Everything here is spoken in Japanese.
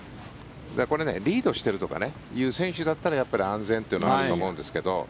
これ、リードしているとかいう選手だったら安全というのはあると思うんですけど